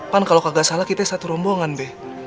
pan kalau kagak salah kita satu rombongan be